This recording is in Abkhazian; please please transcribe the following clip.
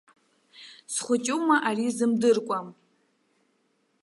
Схәыҷума ари зымдыркәа.